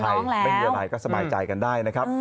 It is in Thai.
ไม่มีอะไรก็สบายใจกันได้นะครับ